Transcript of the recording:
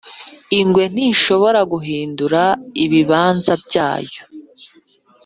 ingwe ntishobora guhindura ibibanza byayo